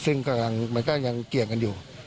ซึ่งมันก็ยังเกี่ยงกันอยู่